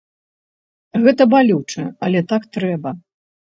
Гэта балюча, але так трэба.